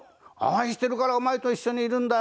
「愛してるからお前と一緒にいるんだよ」